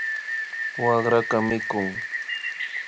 Wakraka mikun